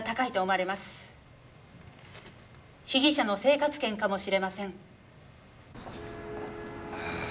被疑者の生活圏かもしれません。